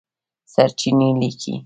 سرچېنې لیکلي